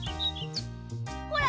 ほら！